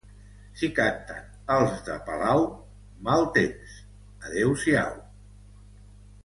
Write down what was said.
Si canten els de Palau, mal temps, adeu-siau.